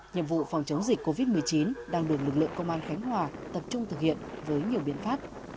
nhiệm vụ phòng chống dịch covid một mươi chín đang được lực lượng công an khánh hòa tập trung thực hiện với nhiều biện pháp